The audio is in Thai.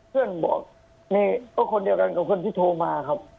เพื่อนบอกนี่ก็คนเดียวกันกับคนที่โทรมาครับ